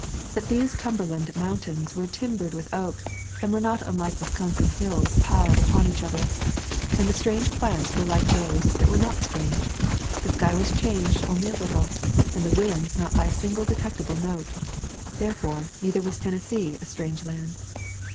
But these Cumberland Mountains were timbered with oak, and were not unlike Wisconsin hills piled upon each other, and the strange plants were like those that were not strange. The sky was changed only a little, and the winds not by a single detectible note. Therefore, neither was Tennessee a strange land.